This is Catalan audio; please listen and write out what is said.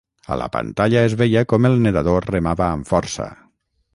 A la pantalla es veia com el nedador remava amb força.